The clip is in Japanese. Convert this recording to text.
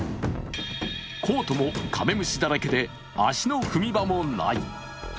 コートも、カメムシだらけで足の踏み場もない。